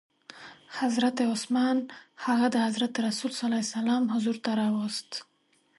حضرت عثمان هغه د حضرت رسول ص حضور ته راووست.